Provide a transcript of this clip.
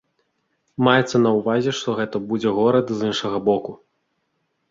Маецца на ўвазе, што гэта будзе горад з іншага боку.